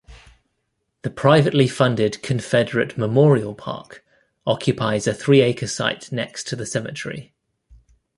The privately funded Confederate Memorial Park occupies a three-acre site next to the cemetery.